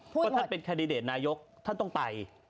เพราะท่านเป็นแคนดิเดตนายกท่านต้องไป